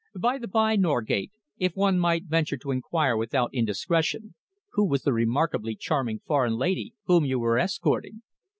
By the by, Norgate, if one might venture to enquire without indiscretion, who was the remarkably charming foreign lady whom you were escorting?"